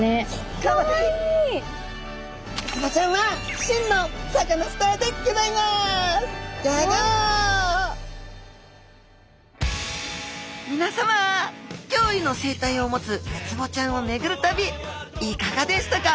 きょういの生態を持つウツボちゃんをめぐる旅いかがでしたか？